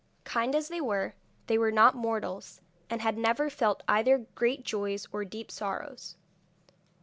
Kind as they were, they were not mortals, and had never felt either great joys or deep sorrows.